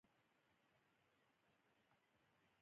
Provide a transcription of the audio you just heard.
زه هره ورځ ورزش نه کوم.